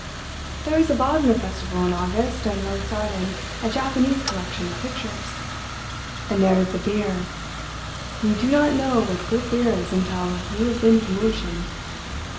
There is the Wagner Festival in August, and Mozart and a Japanese collection of pictures—and there is the beer! You do not know what good beer is until you have been to München.